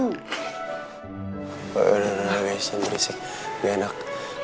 udah udah udah gak usah berisik gak enak